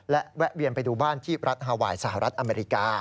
และแวะเวียนไปดูบ้านที่รัฐฮาไวน์สหรัฐอเมริกา